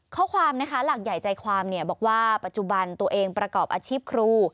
ข้อความนะคะหลักใหญ่ใจความบอกว่าปัจจุบันตัวเองประกอบอาชีพครู